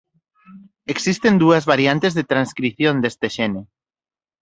Existen dúas variantes de transcrición deste xene.